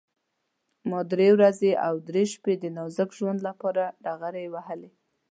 ما درې ورځې او درې شپې د نازک ژوند لپاره ډغرې ووهلې.